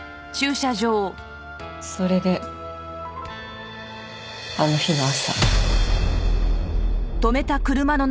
それであの日の朝。